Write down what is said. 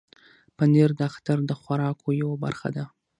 پنېر د اختر د خوراکو یوه برخه ده.